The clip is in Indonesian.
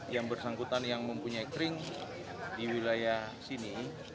yang bersangkutan yang mempunyai kering di wilayah sini